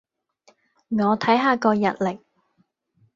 我睇下個日曆